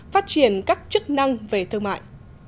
phát triển các chức năng về thương mại